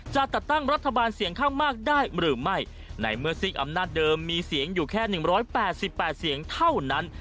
จะจัดตั้งรัฐบาลเสียงข้างมากได้หรือไม่ในเมื่อซิกอำนาจเดิมมีเสียงอยู่แค่๑๘๘เสียงเท่านั้น